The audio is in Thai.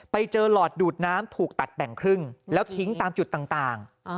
หลอดดูดน้ำถูกตัดแบ่งครึ่งแล้วทิ้งตามจุดต่าง